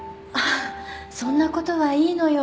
そんなことはいいのよ。